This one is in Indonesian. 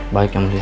baik yang mulia